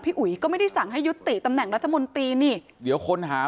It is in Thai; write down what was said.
อุ๋ยก็ไม่ได้สั่งให้ยุติตำแหน่งรัฐมนตรีนี่เดี๋ยวคนหา